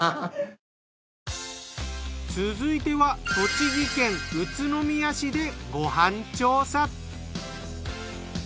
続いては栃木県宇都宮市でご飯調査。